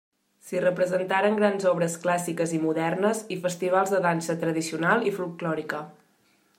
S'hi representaren grans obres clàssiques i modernes i festivals de dansa tradicional i folklòrica.